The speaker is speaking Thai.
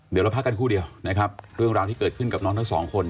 เดี๋ยวเราพักกันครู่เดียวนะครับเรื่องราวที่เกิดขึ้นกับน้องทั้งสองคน